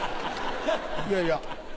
いやいや。